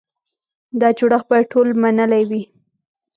دا جوړښت باید ټول منلی وي.